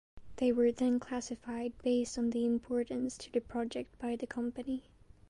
They were then classified based on the importance to the project by the company.